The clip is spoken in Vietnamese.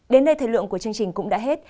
đến đây thời lượng của chương trình cũng đã hết